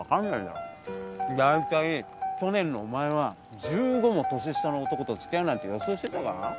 だいたい去年のお前は１５も年下の男と付き合うなんて予想してたか？